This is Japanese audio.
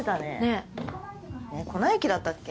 えっ『粉雪』だったっけ？